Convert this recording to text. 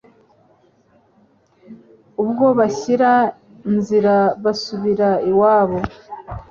Ubwo bashyira nzira basubira iwabo